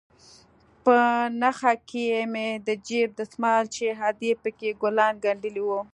په نخښه کښې مې د جيب دسمال چې ادې پکښې ګلان گنډلي وو.